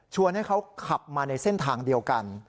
ให้เขาขับมาในเส้นทางเดียวกัน